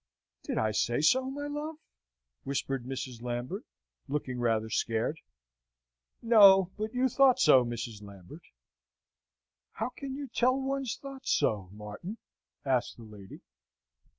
"Did I say so, my love?" whispered Mrs. Lambert, looking rather scared. "No; but you thought so, Mrs. Lambert." "How can you tell one's thoughts so, Martin?" asks the lady.